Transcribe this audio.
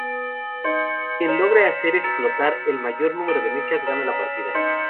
Quien logre hacer explotar el mayor número de mechas, gana la partida.